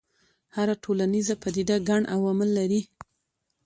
هره ټولنیزه پدیده ګڼ عوامل لري.